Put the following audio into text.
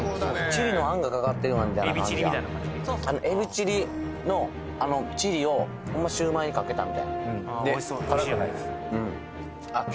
チリのあんがかかってるみたいな感じやエビチリのチリをほんまシウマイにかけたみたいなで辛くないですあっ